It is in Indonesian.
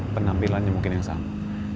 penampilannya mungkin yang sama